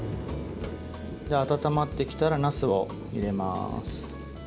温まってきたら、なすを入れます。